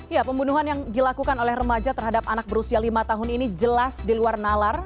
ya pembunuhan yang dilakukan oleh remaja terhadap anak berusia lima tahun ini jelas di luar nalar